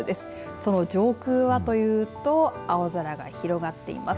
その上空はというと青空が広がってます。